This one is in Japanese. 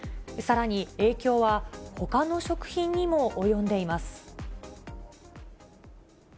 さらに、影響はほかの食品にも及んでいます。